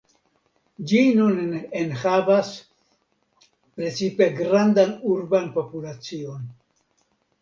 Ĝi nun enhavas precipe grandan urban populacion.